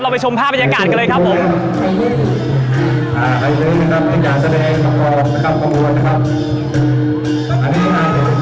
ไปชมภาพบรรยากาศกันเลยครับผม